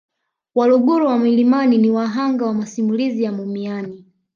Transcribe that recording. Waluguru wa milimani ni wahanga wa masimulizi ya mumiani